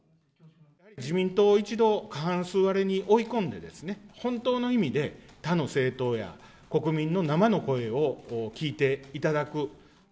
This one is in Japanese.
自民党を一度、過半数割れに追い込んでですね、本当の意味で、他の政党や国民の生の声を聞いていただく。